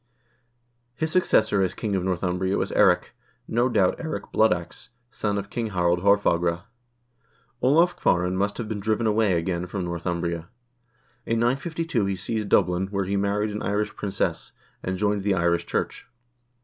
His successor as king of Northumbria was Eirik, no doubt Eirik Blood Ax, son of King Harald Haarfagre.1 Olav Kvaaran must have been driven away again from Northumbria. In 952 he seized Dublin, where he married an Irish princess, and joined the Irish Church.